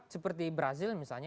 seperti brazil misalnya